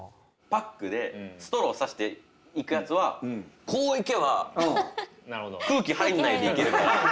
パックでストローさしていくやつはこういけば空気入んないでいけるから。